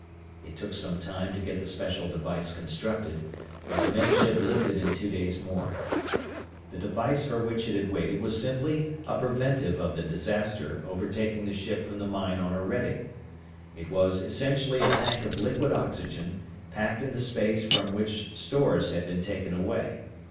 It took some time to get the special device constructed, but the Med Ship lifted in two days more. The device for which it had waited was simply a preventive of the disaster overtaking the ship from the mine on Orede. It was essentially a tank of liquid oxygen, packed in the space from which stores had been taken away.